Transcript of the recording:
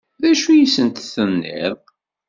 D acu i sen-tenniḍ?